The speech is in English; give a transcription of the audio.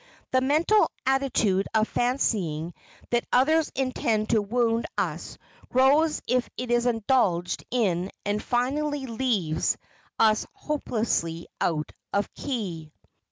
The mental attitude of fancying that others intend to wound us grows if it is indulged in and finally leaves us hopelessly out of key.